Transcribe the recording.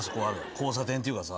交差点っていうかさ。